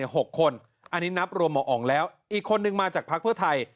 อันนี้นับรวมออกแล้วอีกคนนึงมาจากพักเพื่อไทย